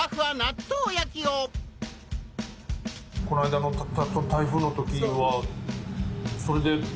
この間の台風の時はそうです。